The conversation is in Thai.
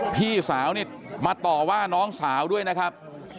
พี่สาวนี่มาต่อว่าน้องสาวด้วยนะครับ